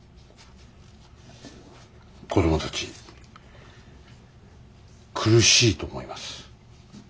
子供たち苦しいと思います。